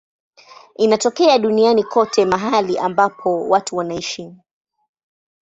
Inatokea duniani kote mahali ambapo watu wanaishi.